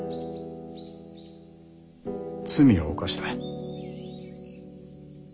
罪を犯した。